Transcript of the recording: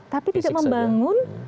tapi tidak membangun